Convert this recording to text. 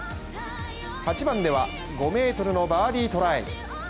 ８番では５ｍのバーディートライ